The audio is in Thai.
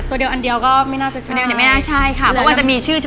ตัวเดียวอันเดียวก็ไม่น่าจะใช่